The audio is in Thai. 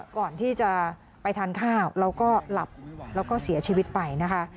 ก่อนที่จะไปทานข้าวแล้วก็หลับแล้วก็เสียชีวิตไปนะคะ